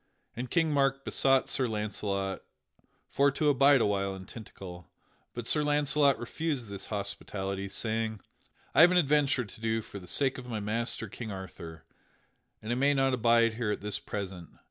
And King Mark besought Sir Launcelot for to abide a while in Tintagel; but Sir Launcelot refused this hospitality, saying: "I have an adventure to do for the sake of my master, King Arthur, and I may not abide here at this present.